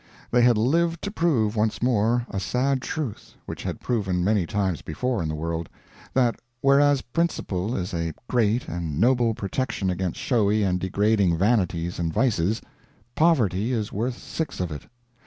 They had lived to prove, once more, a sad truth which had been proven many times before in the world: that whereas principle is a great and noble protection against showy and degrading vanities and vices, poverty is worth six of it.